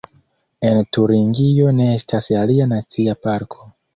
En Turingio ne estas alia nacia parko.